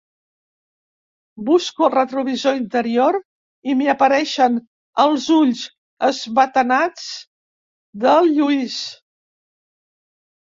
Busco el retrovisor interior i m'hi apareixen els ulls esbatanats del Lluís.